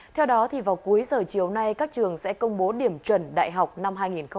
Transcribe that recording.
theo đó vào cuối giờ chiều nay các trường sẽ công bố điểm chuẩn đại học năm hai nghìn hai mươi